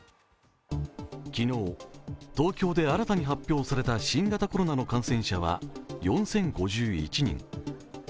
昨日、東京で新たに発表された新型コロナの感染者は４０５１人。